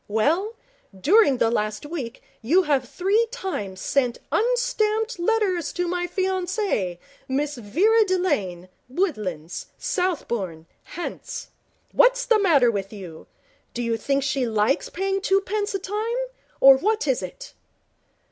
Well, during the last week you have three times sent unstamped letters to my fiancee, Miss Vera Delane, Woodlands, Southbourne, Hants. What's the matter with you? Do you think she likes paying twopence a time, or what is it?'